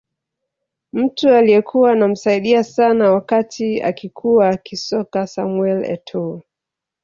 Mtu aliyekuwa anamsaidia sana wakati akikua kisoka Samuel Etoo